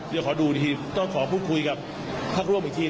เดี๋ยวขอดูอีกทีต้องขอพูดคุยกับพักร่วมอีกที